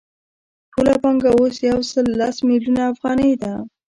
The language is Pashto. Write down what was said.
ټوله پانګه اوس یو سل لس میلیونه افغانۍ ده